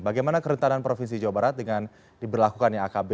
bagaimana kerentanan provinsi jawa barat dengan diberlakukannya akb